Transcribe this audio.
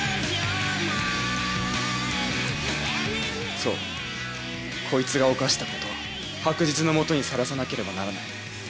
そうこいつが犯したことは白日の下にさらさなければならない。